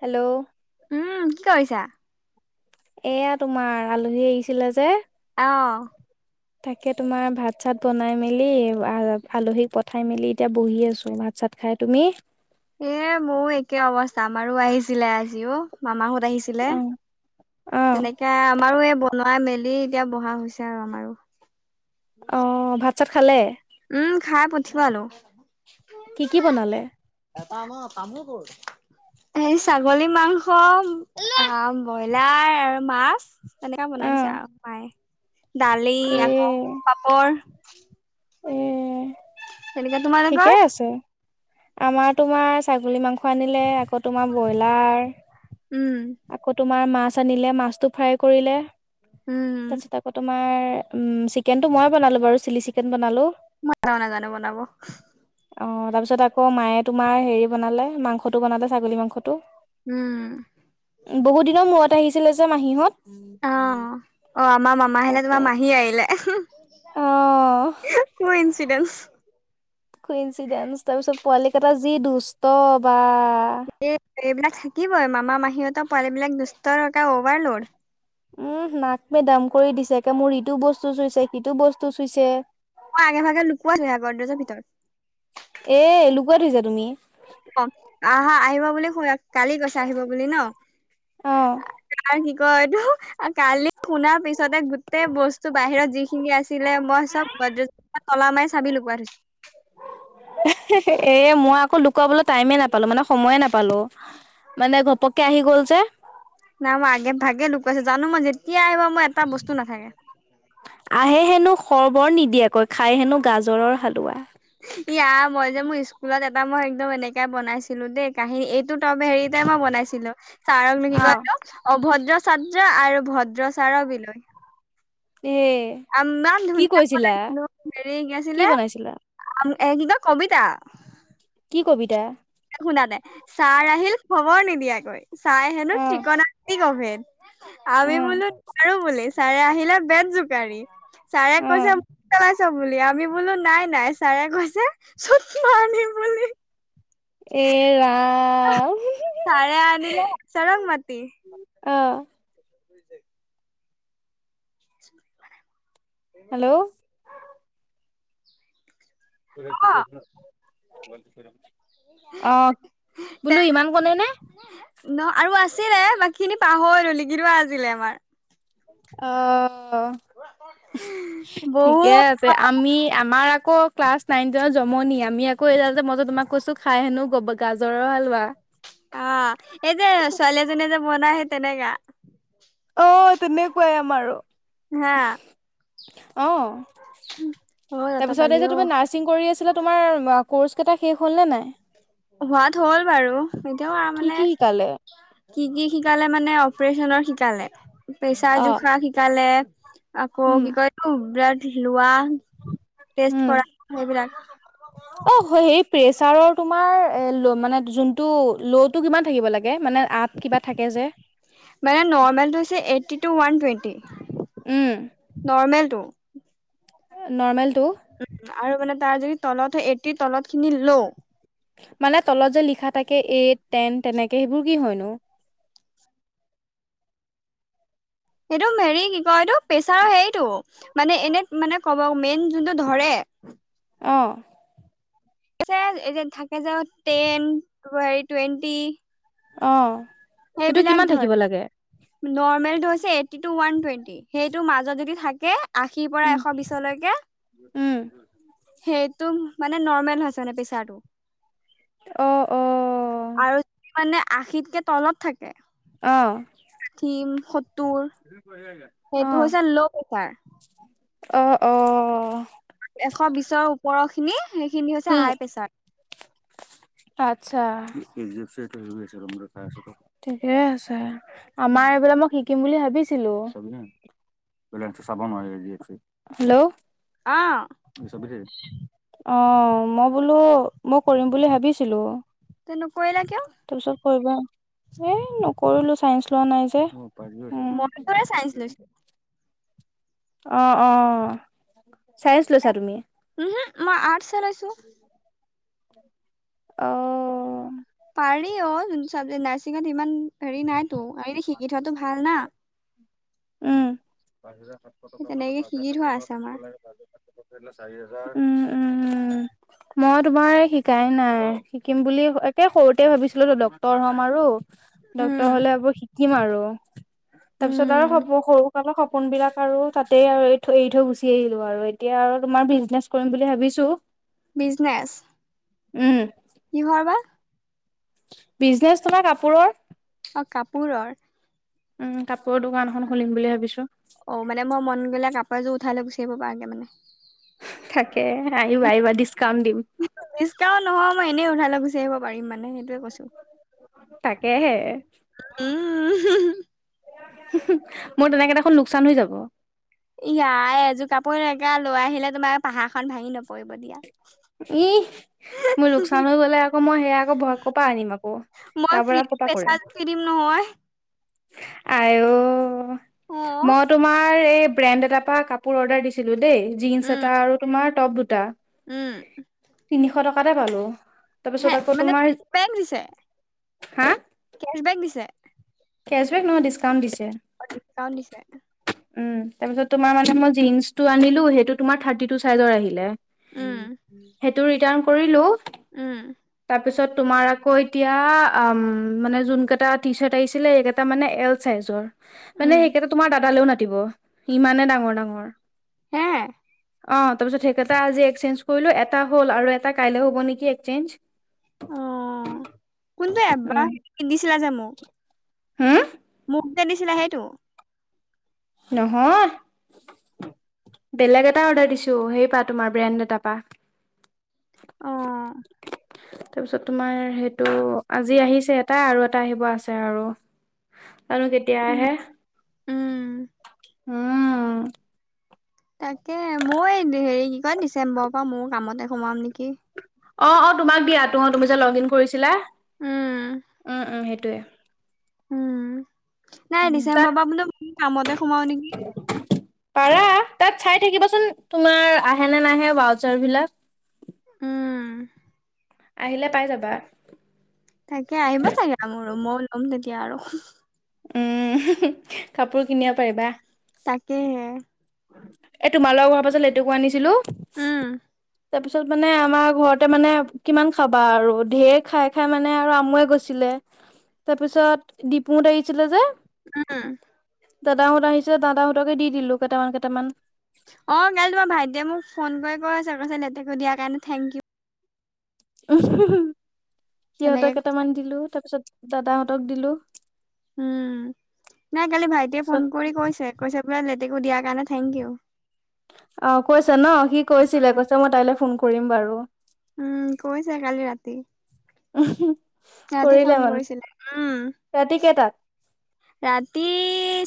Hello. উ কি কইছা? এয়া তোমাৰ আলহী আহিছিলে যে। অ'। তাকে তোমাৰ ভাত চাত বনাই মেলি আ-আলহীক পঠাই মেলি এতিয়া বহি আছোঁ ভাত চাত খাই। তুমি? এ, ময়ো একে অৱস্থা আমাৰো আহিছিলে আজিও মামাৰতে ছিলে অ অ তেনেকে আমাৰো এই বনাই মি খালি এতিয়া বহা হৈছে আৰু আমাৰো অ', ভাত চাত খালে? উম। খাই পঠিবলো। কি কি বনালে? এটা আমাৰ তামো কত হে ছাগলী মাংস আ ব্ৰইলাৰ আৰু মাছ। তেনেকে অ বনাই দিছে আৰু মায়ে দালি এ আকৌ পাপৰ। উম। তেনেকা তোমাৰ ঘ? আমাৰ তোমাৰ ছাগলী মাংস আনিলে আকৌ তোমাৰ ব্ৰইলাৰ। উম আকৌ তোমাৰ মাছ আনিলে মাছতটো ফ্ৰাই কৰিলে উম তাৰপিছত আকৌ তোমাৰ উম, চিকেন টো মই বনালো বাৰু চিলি চিকেন বনালো। মই এটাইও নাজানো বনাবো। অ', তাৰপিছত আকৌ মায়ে তোমাৰ হেৰি বনালে মাংসটো বনালে ছাগলী মাংসটো। উম। বহুত দিনৰ মূৰত আহিছিলে যে মাহীহঁত। অ', আমাৰ মামা আহিলে তাকে তোমাৰ মাহী আহিলে। অ', কইনসিডেন্। কইঞ্চিডেন্ তাৰ পিছত পোৱালি কেইটা যি দুষ্ট বা। এই এইবিলাক থাকিবই মামা মাহিহঁতৰ পোৱালিব বিলাক দুষ্টকে অভাৰলোড উম, নাক মে দাম কৰি দিছোকে মোৰ ইটো বস্তু চুইছে সিটো বস্তু চুইছে মই আগে ভাগে লুকোৱা ছগৰজৰ ভিতৰত এ লুকুৱাই থৈছা তুমি? অ', হা আহিবা বুলি ক কালি কছ আহিব বুলি ন অ'। কি কয় এইটো কালি শুনাৰ পিছতে গোটেই বস্তু বাহিৰত যিখিনি আছিল ছিলে মই চব বদ্ৰজ পৰা তলা মাৰি চাবি লগব ধছো এ মই আকৌ লুকুৱাবলৈ টাইমে নাপালো মানে সময়ে নাপালো মানে ঘপককে আহি গ'ল যে নাই মই আগে ভাগে লুকাইছো জানো মই যেতিয়া আহিবা মোৰ এটা বস্তু নাথাকে আহে হেনো খৰ্বৰ নিদিয়াকৈ খাই হেনো গাজৰৰ হালোৱা য়া মই যে মোৰ স্কুলত এটা মই একদম এনেকে বনাইছিলো দেই কাহিনী এইটোত হেৰিতে মই বনাইছিলো ছাৰকনো কি অ', কয়ো অভদ্ৰ চাদ ভদ্ৰা আৰু ভদ্ৰচাৰ বিললৈ এ আ ইমান কি কৈছিলা ধুনীয়াখননছিলো হেৰি কি আছিলে বনাইছিলা আ এ কি কয় কবিতা কি কবিতা? শুনা নাই ছাৰ আহিল খবৰ নিদিয়াকৈ ছাই হেনো অ', টিকনা গভেদ আমি অ'। বোলো নাৰো বুলি ছাৰে আহিলে বেত জোকাৰি চাৰে অ', কোইছে বুলি আমি বোলো নাই নাই ছাৰে কৈছে চুত কি বুলি এ ৰাম ছাৰে আনিলে ছাৰক মাতি অ', [unintelligible] [unintelligible] হেল্ল' অ [unintelligible] অ, তে বোলো ইমান কনে, নে ন, আৰু আছিলে বাকী খিনি পাহৰি ধলি কিৱা আজিলে আমাৰ। অ, ঠিকে বহুত আছে। আমি আমাৰ আকৌ ক্লাছ নাইন, টেনত জমনি আমি আকৌ এডাল মইতে তোমাক কৈছো খাই হেনো গাজৰৰ হালোৱা। অ, এই যে ছোৱালী এজনী যে বনাইহে তেনেকা। অ, তেনেকুৱাই আমাৰো আৰু। হা। অ, অ', তাৰপিছত ততপালি এই যে তুমি অ', নাৰছিং কৰি আছিলা। তোমাৰ কৰ্ছ কেইটা শেষ হ'ল নে নাই। হোৱাদ হ'ল বাৰু এতিয়াও আৰু মানে কি, কি, শিকালে মানে অপচনৰ শিকালে, প্ৰেচাৰ অ'। জোখাৰ শিকালে আকৌ উম, কি কয় বিৰা হিলুৱোৱা। টেষ্ট উম। কৰা সেইবিলাক। অ, সেইটো প্ৰেচাৰৰ তোমাৰ মানে যোনটো ল'টো কিমান থাকিব লাগে? মানে আঠ কিবা থাকে যে মানে নৰ্মেলটো হৈছে এই one twenty um. Normal two. Normal. উ, আৰু মানে তাৰ যদি তলত হয়, এইটি তলত খিনি লও। মানে তলত যে লিখা থাকে, এইট টেন তেনেকে সেইবোৰ কি হয়নো। সেইটো হেৰি কি কয়, এইটো প্ৰেছাৰৰ হেৰিতটো মানে এনে মানে কব মেইন যোনটো ধৰে। উম। অ'। এত থাকে যে টেন ত ৱাৰি টুৱেণ্টি অ, সেইটো সেইবিলাক কিমান ধৰে থাকিব লাগে? নৰ্মেলটো হৈছে এইট্টি টু ওৱান টুৱেন্টি সেইটো মাজত যদি থাকে আশীৰ পৰা উম এশ বিছলৈকে উম সেইটো মানে নৰ্মেল হৈছে মানে পেচাৰটো অহ, অহ। আৰু যদি মানে আশীতকে তলত থাকে। অ'। টিন শত টো, হে সেইটো হৈছে ল, পেচাৰ অ', অ'। এশ বিছৰ ওপৰৰ খিনি সেইখিনি হৈছে উম আই প্ৰেছাৰ আচ্ছা ঠিকেই আছে। আমাৰ এইবিলাক মই শ কিম বুলি ভাবিছিলো চাব হেল্ল আহ। অ, মই বোলো মই কৰিম বুলি ভাবিছিলো। তে, নকৰিলা কিয়? কৰিব এই নকৰিলো চাইন্ঞ্চ লোৱা নাই যে। উম মইৰে চাইন্ঞ্চ লৈছিলো। অ', অ', চাইন্স লৈছা তুমি। তুমি আৰ্টছ উম। অ'। পাৰি অ, যোনটো চাবজেক্ট নাৰছিঙত ইমান হেৰি নাইতো হ, শিকি থোৱাাতটো ভাল না। উম, পাঁচ হাজাৰ সাতশ সেই টকা পৰা তেনেকে পাঁচ হাজাৰ শিকি থোৱা সাতশ টকা আছে কাটিব আমাৰ লাগে প, হাজাৰাত। চাৰি হাজাৰ উম, উম। মই তোমাৰ শিকাই নাই শিকিম বুলি একে সৰুতে ভাবিছিলো তো ডক্তৰ হ'ম আৰু ডক্তৰ উম হ'লে আকৌ শিকিম আৰু তাৰপিছত আৰু উম হ'ব সৰুকালৰ স সপোন বিলাক আৰু তাতে আৰু এৰি থৈ গুচি আহিলো আৰু এতিয়া আৰু তোমাৰ বিজনেচ কৰিম বুলি ভাবিছো। ব্ৰিজনেছ। উম। কিহৰ বা ব্ৰিজনেচ তোমাৰ কাপোৰৰ। অ কাপোৰৰ উম, কাপোৰৰ দোকান এখন খুলিম বুলি ভাবিছো। ওথাই লৈ গুচি আহিব পৰাকে মানে। তাকে আহিবা আহিবা ডিচকাউন্ট দিম ৰিক্সা নহয় মই এনেই উঠাই লৈ গৈছো। চি আহিব পাৰিম মানে সেইটোয়ে কৈছো। তাকেহে। উম। [unintelligible] মোৰ তেনেকেই দেখোন লোকচান হৈ যাব। ইয়াই এযোৰ কাপোৰ একে লৈ আহিলে তোমাৰ পাহাৰ খন ভাঙি নপৰিব দিয়া। ই মোৰ লোকচান হৈ গ'লে, আকৌ মই সেয়াাই আকৌ ভয় কৰ পৰা আনিম আকৌ। মই তাৰ পৰা ফ্ৰী ক'ৰ পেচাদি দিম নহয়। আ অই অ মই তোমাৰ এই ব্ৰেণ্ড এটা পৰা কাপোৰ অৰ্ডাৰ দিছিলো দেই জীন্চ উম এটা আৰু তোমাৰ টপ দুটা উম তিনিশ টকাতে পালো। হে তাৰপিছত আকৌ মানে তোমাৰ হা কেচ বেক দিছে। কেচবেক নহয়, ডিছকাউণ্ট দিছে। অ' ডিকাউণ্ট দিছে। উম, তাৰ পিছত তোমাৰ মানে মই জিনন্চটো আনিলো সেইটো তোমাৰ থাৰ্টি টু চাইজৰ আহিলে। উম হেইটো ৰিটাৰ্ণ কৰিলো। উম। তাৰ পিছত তোমাৰ আকৌ এতিয়া মানে যোন কেইটা টি চাৰট আহিছে। ছিলে এইকেইটা মানে এল চাইজৰ উম মানে সেইকেইটা তোমাৰ দাদালেও না ব ইমানে ডাঙৰ ডাঙৰ। হ'ম। অ' তাৰপিছত সেইকেইটা আজি এক্সচেঞ্জ কৰিলো এটা হ'ল আৰু এটা কাইলৈ হ'ব নেকি এক্সেঞ্জ। অ' কোনটো এব্বাহ পিন্ধিছিলা যে মোক। হ'ম। মোক যে দিছিলা সেইটো। নহয়। বেলেগ এটা অৰ্ডাৰ দিছো হেই পা তোমাৰ ব্ৰেণ্ড এটা পা। অ' তাৰপিছত তোমাৰ সেইটো আজি আহিছে এটা আৰু এটা আহিব আছে আৰু। [inaudible] আৰু যেতিয়া উম আহে। উম উম। তাকে মই এই হেৰি কি কয় ডিচেম্বৰৰ পৰা মই কামতে সোমাম নেকি। অ' অ' তোমাক দিয়া তোহ তুমি যে লগ ইন কৰিছিলা উম উম উম সেইটোৱে। উম, নাই তাত ডিচেম্বৰ পৰা বোলো ম কামতে সোমাও নেকি। পাৰা তাত চাই থাকিবচোন তোমাৰ আহে নে নাহে বাউচাৰ বিলাক। উম। আহিলে পাই যাবা। তাকে আহিব চাগে মোৰো ময়ও ল'ম তেতিয়া আৰু। উম, কাপোৰ কিনিব পাৰিবা। তাকে হে। এ তোমাৰ লোকৰ ঘৰৰ পৰা যে লেটেকো আনিছিলো। উম। তাৰ পিছত মানে আমাৰ ঘৰতে মানে কিমান খাবা আৰু ধেৰ খাই খাই মানে আৰু আমুৱাই গৈছিলে। তাৰপিছত দিপুহঁত আহিছিলে যে। উম। দাদাহঁত আহিছে দাদাহঁতকে দি দিলোঁ কেইটামান কেইটামান। অ', কালি তোমাৰ ভাইটিয়ে মোক ফোন কৰি কৈছে। কৈছে লেটেকো দিয়াৰ কাৰণে থেংক ইউ। তেনেকে সিহঁতক কেইটামান দিলোঁ তাৰ পিছত দাদাহঁতক দিলোঁ। উম, নাই কালি ভাইটিয়ে পিছত ফোন কৰি কৈছে। কৈছে বোলে লে টেকো দিয়া কাৰণে থেংক ইউ। অ', কৈছা ন? সি কৈছিলে কৈছে মই তাইলে ফোন কৰিম বাৰু। উম, কৈছে কালি ৰাতি। [inaudible] ৰাতি কৰিলে ফোন মানে কৰিছিলে। উম, ৰাতি কেইটাত? ৰাতি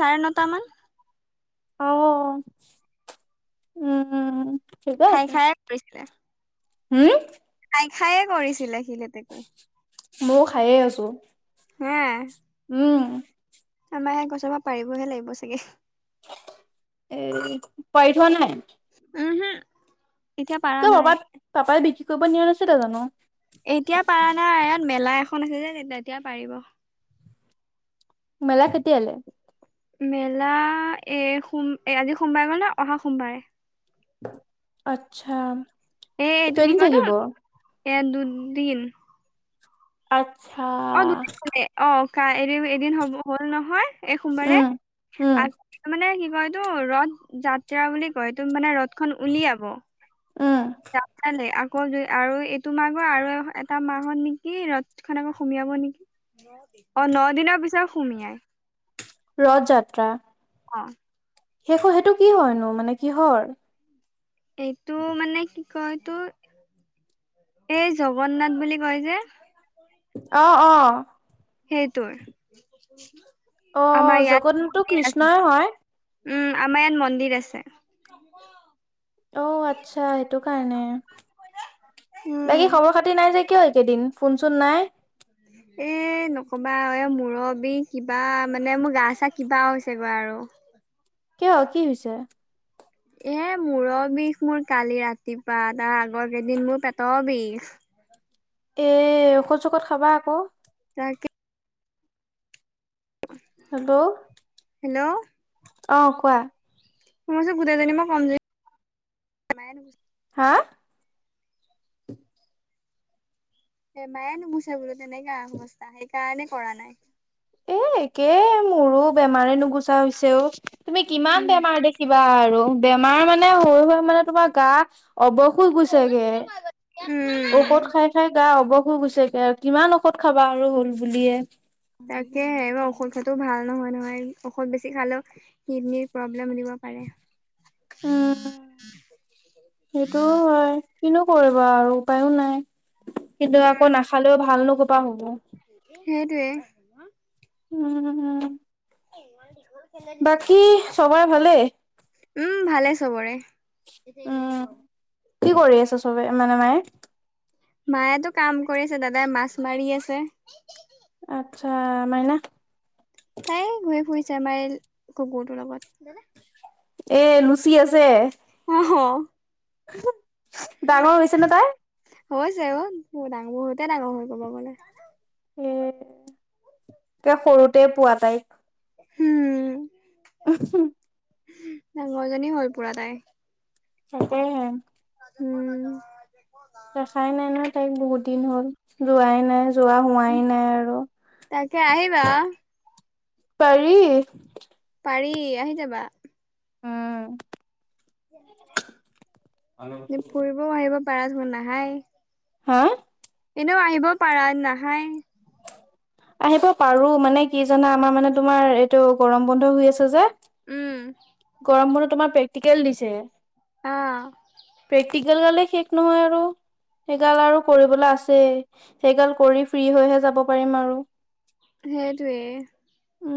চাৰে নটামান। আহ! উম, উম, উম। খাই খাইয়ে কৰিছিলে। হম? খাই খাইয়ে কৰিছিলে সি লেটেকো। ময়ো খায়ে আছোঁ। হম। উম। আমাৰ এ গছৰ পৰা পাৰিবহে লাগিব চাগে। এ পাৰি থোৱা নাই? উম হম এতিয়া পাৰা কিয় নাই পাপা পাপাই বিক্ৰী কৰিব নিয়া নাছিলে জানো? এতিয়া পাৰা নাই। ইয়াত মেলা এখন আছে যে তেতিয়া পাৰিব। মেলা কেতিয়ালে? মেলা এ সোম এ আজি সোমবাৰে গ'ল নহয় অহা সোমবাৰে। আচ্ছা! এ এইটো কি কেইদিন কয়তো থাকিব? এ দুদিন। আত অ', দুদিন বোলে অ' কালিলে এদিন হ'ব হ'ল নহয়। এই সোমবাৰে উম, উম, আঠ মানে কয়তো ৰথ যাত্ৰা বুলি কয়টো মানে ৰথখন উলিয়াব। উম, [unintelligible] আকৌ আৰু এইটো মাহৰ আৰু এটা মাহত নেকি ৰথখন আকৌ সুমিয়াব নেকি অ', ন দিনৰ পিছত সুমিইায়। ৰথ যাত্ৰা? অ'। শেষ হয় সেইটো কি হয়নো মানে কিহৰ? এইটো মানে কি কয়তো এই জগন্নাথ বুলি কয় যে! অ', অ'। সেইটো অ', আমাৰ ইয়াত জগন্নাথটো কৃষ্ণই [unintelligible] হয়। উম, আমাৰ ইয়াত মন্দিৰ আছে। অ', আচ্ছা সেইটো কাৰণে। বাকী খবৰ উম খাতি নাই যে? কিয় এই কেইদিন? ফোনচোন নাই। এ এ নক'বা আৰু এ মূৰৰ বিষ কিবা মানে মোৰ গা চা কিবা হৈছেগৈ আৰু। কিয় কি হৈছে? এ মূৰৰ বিষ মোৰ কালি ৰাতিৰ পা আৰু তাৰ আগৰ কেইদিন মোৰ পেটৰ বিষ। এ ঔষধ চৌষধ খাবা আকৌ। তাকে হেল্ল' অ' কোৱা। শুনিছো গোটেইজনী মই কম হা? বেমাৰে নোগোছে বোলো তেনেকা অৱস্থা সেইকাৰণে কৰা নাই। এ একে মোৰো বেমাৰে নুগুচা হৈছে অ'। তুমি কিমান উম বেমাৰ দেখিবা আৰু বেমাৰ মানে হৈ হৈ মানে তোমাৰ গা অৱস হৈ গৈছে গে। উম ঔষত খাই খাই গা অব অৱস হৈ গৈছে গে আৰু কিমান ঔষধ খাবা আৰু হ'ল বুলিয়ে। তাকেহে ইমাম ঔষধ খোৱাটো ভাল নহয় নহয় ঔষধ বেছি খালেও কিডনিৰ প্ৰব্লেম দিব পাৰে। [inaudible] উম, সেইটো হয়। কিন্তু কৰিবা আৰু উপায়ো নাই কিন্তু আকৌ নাখালেও ভাল নো ক'ৰ পা হ'ব। সেইটোৱে। উম, উম বাকী চবৰে ভালেই? উম, ভালে চবৰে উম [unintelligible] কি কৰি আছে চবে মানে মায়ে? মায়েতো কাম কৰিছে দাদাই মাছ মাৰি আছে। আচ্ছা মাইনা তাই ঘূৰি ফুৰিছে আমাৰ এই কুকুৰটোৰ লগত। এ লুচি আছে? অহ। ডাঙৰ হৈছে নে তাই? হৈছে আক ডাঙ বহুতে ডাঙৰ হ'ল ক'ব গ'লে। এ সৰুতে পোৱা তাইক। উম ডাঙৰজনী হ'ল পুৰা তাই। তাকে হে। উম। দেখাই নাই নহয় তাইক বহুত দিন হ'ল লোৱাই নাই। লোৱা হোৱাই নাই আৰু। তাকে আহিবা পাৰি। পাৰি আহি যাবা। উম [inaudible] ফুৰিবও আহিব পাৰা চোন নাহায়ে। হা? এনেও আহিব পাৰা নাহায়ে। আহিব পাৰো মানে কি জানা আমাৰ মানে তোমাৰ এইটো গৰম বন্ধ হৈ আছে যে। উম বোৰক তোমাৰ প্ৰেকটিকেল দিছে। অহ। কেল গালে শেষ নহয় আৰু। সেইগাল আৰু কৰিবলৈ আছেয়ে। সেইগাল কৰি ফ্ৰী হৈহে যাব পাৰিম আৰু। সেইটোৱে। উম